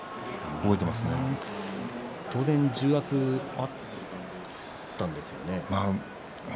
当然、重圧もあったんですよね。